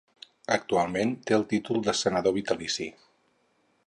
Actualment té el títol de senador vitalici.